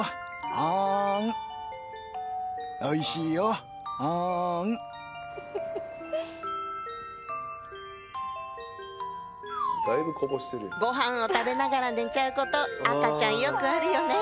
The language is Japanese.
いご飯を食べながら寝ちゃうこと赤ちゃんよくあるよね